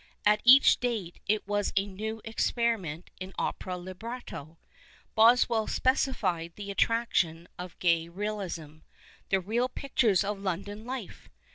At each date it was a new experiment in opera libretto. Boswcll specified the attraction of Gay's realism —" the real pictures of London life."